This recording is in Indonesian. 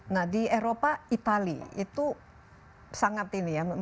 nah di eropa itali itu sangat ini ya